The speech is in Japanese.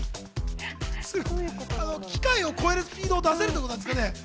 機械を超えるスピードが出せるということなんですかね。